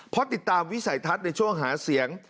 เพราะติดตามวิสัยทัศน์ในช่วงหาเสียง